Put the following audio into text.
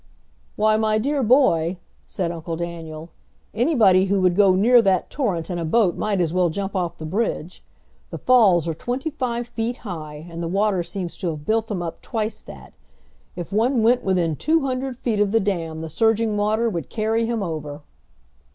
"Why, my dear boy," said Uncle Daniel, "anybody who would go near that torrent in a boat might as well jump off the bridge. The falls are twenty five feet high, and the water seems to have built them up twice that. If one went within two hundred feet of the dam the surging water would carry him over."